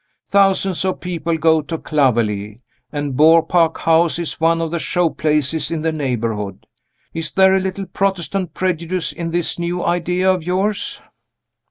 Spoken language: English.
Thousands of people go to Clovelly, and Beaupark House is one of the show places in the neighborhood. Is there a little Protestant prejudice in this new idea of yours?"